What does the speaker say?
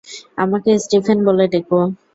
আমাকে স্টিফেন বলে ডেকো।